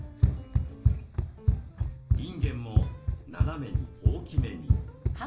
いんげんも斜めに大きめに。